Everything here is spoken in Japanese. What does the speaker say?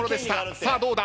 さあどうだ？